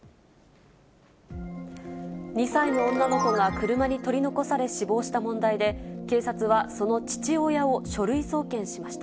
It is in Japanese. ２歳の女の子が車に取り残され死亡した問題で、警察はその父親を書類送検しました。